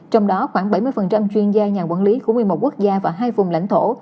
trong đó khoảng bảy mươi chuyên gia nhà quản lý của một mươi một quốc gia và hai vùng lãnh thổ